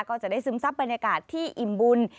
ก็จะได้ซึมซับบรรยากาศที่อิ่มบุญ